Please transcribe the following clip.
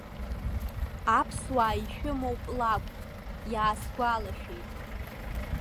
Аԥсуаа ишәымоуп лакәк, иаасгәалашәеит.